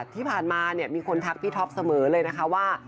ที่ผ่านมามีคนทักพี่ท็อปเสมอเลยนะคะว่า